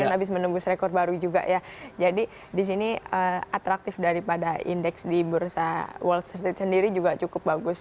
dan habis menembus rekor baru juga ya jadi disini atraktif daripada indeks di bursa wall street sendiri juga cukup bagus